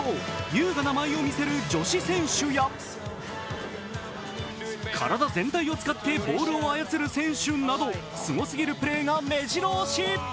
優雅な舞いを見せる女子選手や体全体を使ってボールを操る選手など、すごすぎるプレーがめじろ押し。